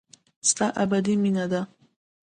ستا ابدي مينه ده.